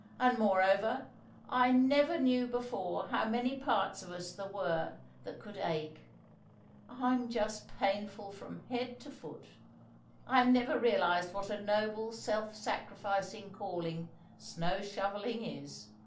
"And, moreover, I never knew before how many parts of us there were that could ache. I'm just painful from head to foot. I never realised what a noble, self sacrificing calling snow shovelling is.